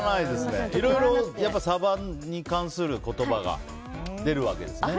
いろいろ、やっぱりサバに関する言葉が出るわけですね。